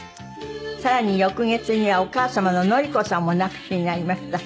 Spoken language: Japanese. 更に翌月にはお母様の典子さんもお亡くしになりました。